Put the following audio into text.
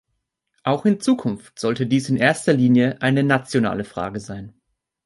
Auch in Zukunft sollte dies in erster Linie eine nationale Frage sein.